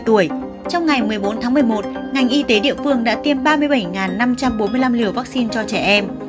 trong ngày một mươi bốn tháng một mươi một ngành y tế địa phương đã tiêm ba mươi bảy năm trăm bốn mươi năm liều vaccine cho trẻ em